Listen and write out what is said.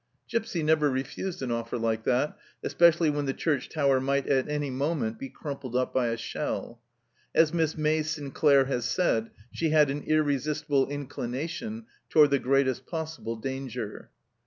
Gipsy never refused an offer like that, especially when the church tower might any moment be crumpled up by a shell. As Miss May Sinclair has said, " she had an irresistible inclination toward the greatest possible danger."